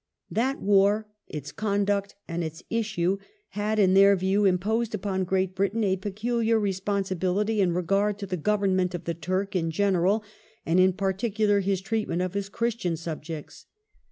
That war, its conduct and its issue, had, in their view, imposed upon Great Britain a peculiar responsibility in regard to the government of the Turk in general, and in particular his treatment of his Christian subjects.